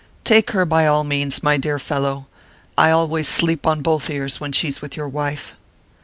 "Take her by all means, my dear fellow: I always sleep on both ears when she's with your wife."